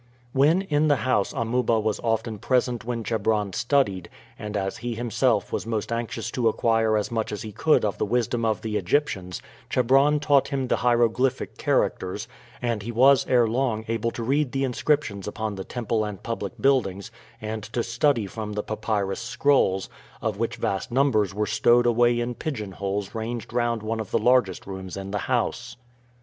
When in the house Amuba was often present when Chebron studied, and as he himself was most anxious to acquire as much as he could of the wisdom of the Egyptians, Chebron taught him the hieroglyphic characters, and he was ere long able to read the inscriptions upon the temple and public buildings and to study from the papyrus scrolls, of which vast numbers were stowed away in pigeon holes ranged round one of the largest rooms in the house.